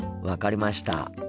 分かりました。